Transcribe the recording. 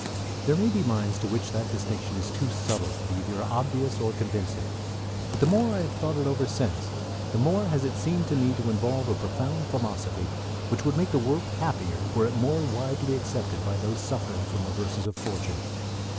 There may be minds to which that distinction is too subtle to be either obvious or convincing; but the more I have thought it over since the more has it seemed to me to involve a profound philosophy which would make the world happier were it more widely accepted by those suffering from reverses of fortune.